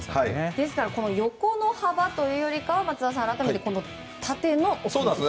ですから横の幅というよりかは松田さん、縦だと。